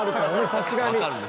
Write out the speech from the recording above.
さすがに。